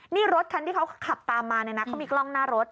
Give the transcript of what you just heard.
นี่รถคันที่เขาขับตามมาเนี่ยนะเขามีกล้องหน้ารถ